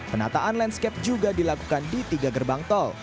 penataan landscape juga dilakukan di tiga gerbang tol